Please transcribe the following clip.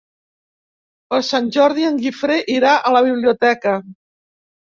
Per Sant Jordi en Guifré irà a la biblioteca.